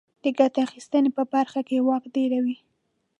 د ګټې اخیستنې په برخه کې واک ډېروي.